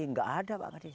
tidak ada pak kardes